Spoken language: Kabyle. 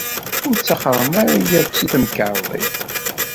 Ur ttaxren ara akk seg temkarḍit.